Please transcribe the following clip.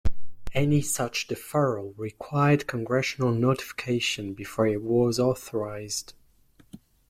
Any such deferral required congressional notification before it was authorized.